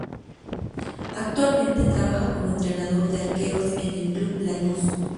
Actualmente, trabaja como entrenador de arqueros en el club Lanús.